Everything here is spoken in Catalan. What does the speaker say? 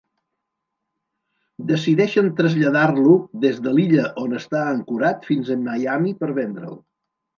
Decideixen traslladar-lo des de l'illa on està ancorat fins a Miami per vendre'l.